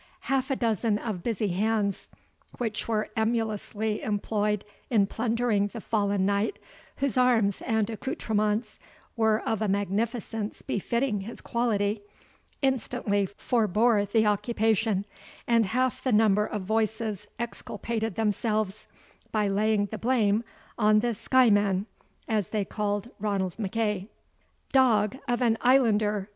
Half a dozen of busy hands, which were emulously employed in plundering the fallen knight, whose arms and accoutrements were of a magnificence befitting his quality, instantly forbore the occupation, and half the number of voices exculpated themselves, by laying the blame on the Skyeman, as they called Ranald MacEagh. "Dog of an Islander!"